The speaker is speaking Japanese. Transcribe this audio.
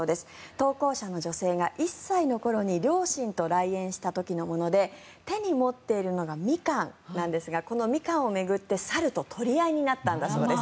投稿者の女性が１歳の頃に両親と来園した時のもので手に持っているのがミカンなんですがこのミカンを巡って取り合いになったそうです。